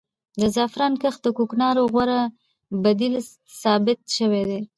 د زعفرانو کښت د کوکنارو غوره بدیل ثابت شوی دی.